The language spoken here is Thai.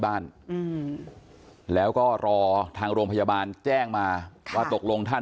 บ้านอืมแล้วก็รอทางโรงพยาบาลแจ้งมาว่าตกลงท่าน